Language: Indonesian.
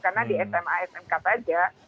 karena di sma smk saja